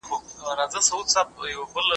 د مځکي پر مخ د عدالت ټينګول اړين دي.